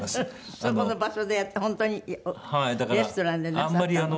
そこの場所でやって本当にレストランでなさったの？